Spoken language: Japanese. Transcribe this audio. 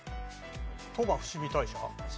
鳥羽伏見大社？